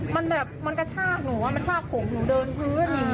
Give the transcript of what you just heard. มันแบบกระทากหนูมันกระทากผมหนูเดินพื้นอย่างนี้